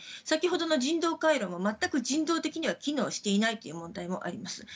先ほどの人道回廊も全く人道的には機能していないという問題もあります。